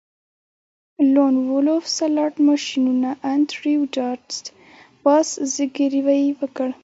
لون وولف سلاټ ماشینونه انډریو ډاټ باس زګیروی وکړ